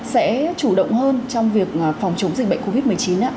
sẽ chủ động hơn trong việc phòng chống dịch bệnh covid một mươi chín ạ